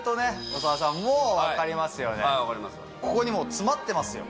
ここにもう詰まってますよ。